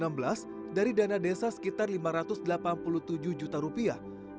pada dua ribu enam belas dari dana desa sekitar lima ratus delapan puluh tujuh juta rupiah